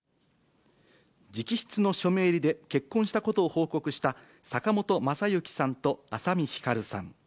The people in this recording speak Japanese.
直筆の署名入りで、結婚したことを報告した、坂本昌行さんと朝海ひかるさん。